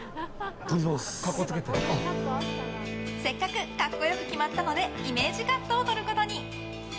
せっかく格好良く決まったのでイメージカットを撮ることに。